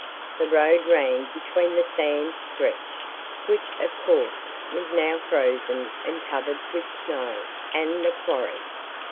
The road ran between the "sand stretch," which, of course, was now frozen and covered with snow, and the quarry.